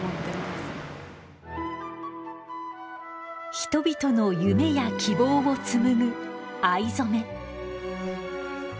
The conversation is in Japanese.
人々の夢や希望を紡ぐ藍染め。